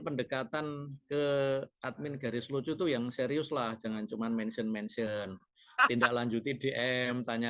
pendekatan ke admin garis lucu itu yang serius lah jangan cuman mention mention tindak lanjuti dm tanya